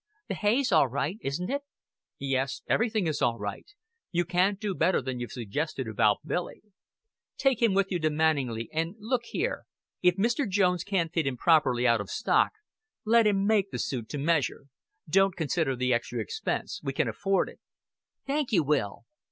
"The hay's all right, isn't it?" "Yes, everything is all right.... You can't do better than you've suggested about Billy. Take him with you to Manninglea and, look here, if Mr. Jones can't fit him properly out of stock, let him make the suit to measure. Don't consider the extra expense. We can afford it." "Thank you, Will."